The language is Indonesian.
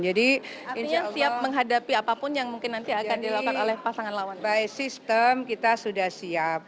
jadi by system kita sudah siap